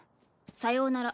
さようなら。